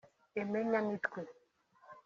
Aime Nyamitwe